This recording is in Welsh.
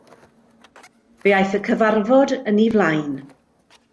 Fe aeth y cyfarfod yn ei flaen.